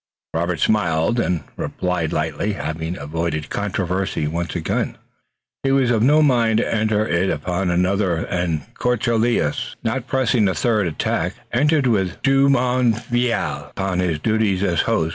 Robert smiled and replied lightly. Having avoided controversy upon one point, he was of no mind to enter it upon another, and de Courcelles, not pressing a third attack, entered with Jumonville upon his duties as host.